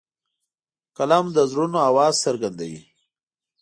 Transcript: قلم د زړونو آواز څرګندوي